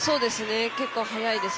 結構速いです。